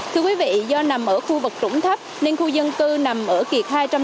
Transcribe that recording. thưa quý vị do nằm ở khu vực trũng thấp nên khu dân cư nằm ở kiệt hai trăm năm mươi